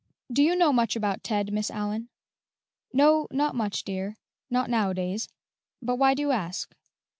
"Do you know much about Ted, Miss Allyn?" "No, not much, dear not nowadays; but why do you ask?"